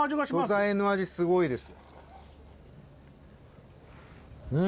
素材の味すごいです。